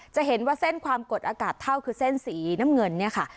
จะเห็นว่าเส้นความกดอากาศเท่าคือเส้นสีน้ำเงินเนี่ยค่ะ